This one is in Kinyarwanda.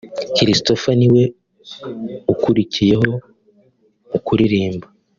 christopher niwe ukurikiyeho mu kuririmba